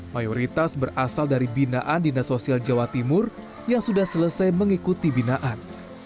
mayoritas berasal dari binaan dinas sosial jawa timur yang sudah selesai mengikuti binaan